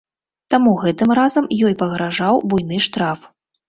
Таму гэтым разам ёй пагражаў буйны штраф.